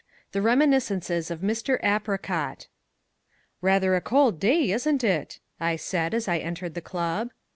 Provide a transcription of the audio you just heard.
5. The Reminiscences of Mr. Apricot "Rather a cold day, isn't it?" I said as I entered the club.